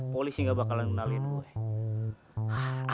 kaga mau ngerubah penampilan